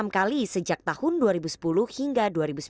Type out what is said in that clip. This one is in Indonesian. sekali sejak tahun dua ribu sepuluh hingga dua ribu sembilan belas